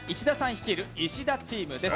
率いる石田チームです。